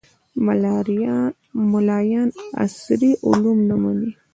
ملایان عصري علوم نه مني